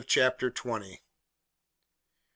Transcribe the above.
CHAPTER TWENTY ONE.